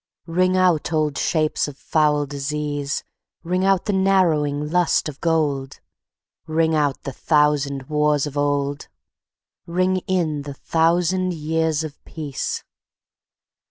Ring out old shapes of foul disease, Ring out the narrowing lust of gold; Ring out the thousand wars of old, Ring in the thousand years of peace.